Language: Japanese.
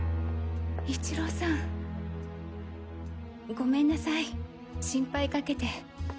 一朗さんごめんなさい心配かけて。